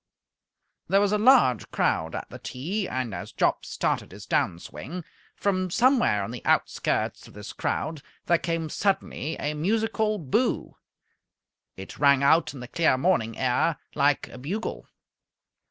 There was a large crowd at the tee, and, as Jopp started his down swing, from somewhere on the outskirts of this crowd there came suddenly a musical "Boo!" It rang out in the clear morning air like a bugle.